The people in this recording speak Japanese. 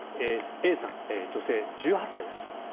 Ａさん、女性、１８歳です。